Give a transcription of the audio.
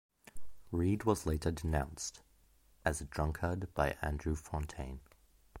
Read was later denounced as a drunkard by Andrew Fountaine.